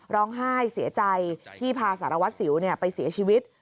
ร้องไห้เสียใจที่พาสารวัตรสิวไปเสียชีวิต